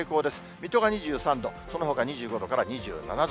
水戸が２３度、そのほか２５度から２７度。